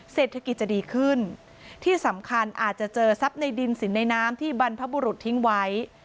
เศรษฐกิจจะดีขึ้นที่สำคัญอาจจะเจอทรัพย์ในดินสินในน้ำที่บรรพบุรุษทิ้งไว้